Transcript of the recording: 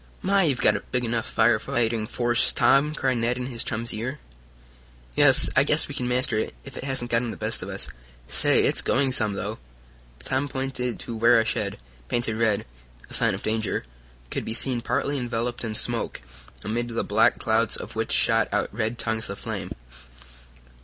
"My, you've got a big enough fire fighting force, Tom!" cried Ned in his chum's ear. "Yes, I guess we can master it, if it hasn't gotten the best of us. Say, it's going some, though!" Tom pointed to where a shed, painted red a sign of danger could be seen partly enveloped in smoke, amid the black clouds of which shot out red tongues of flame.